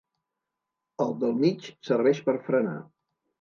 El del mig serveix per frenar.